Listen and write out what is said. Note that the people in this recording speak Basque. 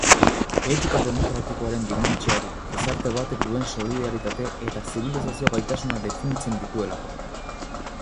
Etika demokratikoaren dimentsioa du, gizarte batek duen solidaritate eta zibilizazio-gaitasuna definitzen dituelako.